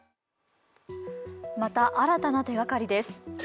また新たな手がかりです。